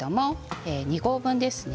２合分ですね